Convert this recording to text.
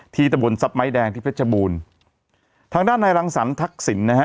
ทีตะบนซับไม้แดงที่เพชรจบูนทางด้านนายรังสรรค์ทักศิลป์นะฮะ